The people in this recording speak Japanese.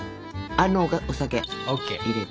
あのお酒入れて。